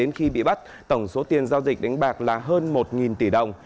khi bị bắt tổng số tiền giao dịch đánh bạc là hơn một tỷ đồng